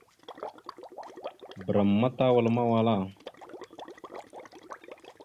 Bəram ma tawal mawala.